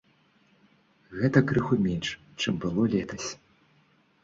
Гэта крыху менш, чым было летась.